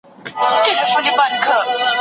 چي یې ټول خپلوان کړل قتل زړه یې سوړ سو